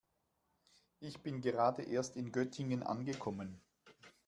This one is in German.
Ich bin gerade erst in Göttingen angekommen